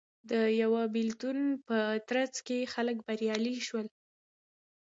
د یوه بېلتون په ترڅ کې خلک بریالي شول